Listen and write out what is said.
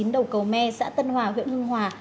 đầu cầu me xã tân hòa huyện hưng hòa